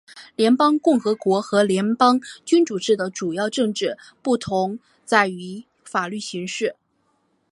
联邦共和国和联邦君主制的主要政治不同在于法律形式。